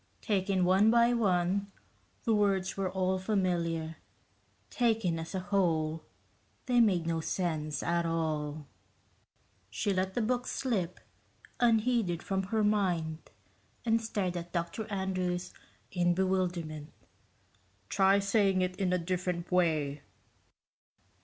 Taken one by one, the words were all familiar taken as a whole, they made no sense at all. She let the book slip unheeded from her mind and stared at Dr. Andrews in bewilderment. "Try saying it in a different way."